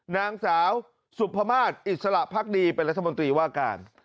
นางสาวสุภามาศอิสระพักดีเป็นรัฐมนตรีว่าการ